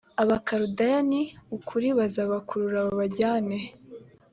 abakaludaya ni ukuri bazabakurura babajyane